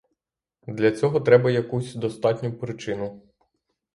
Для цього треба якусь достатню причину.